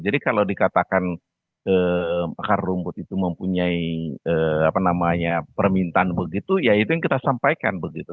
jadi kalau dikatakan akar rumput itu mempunyai permintaan begitu ya itu yang kita sampaikan begitu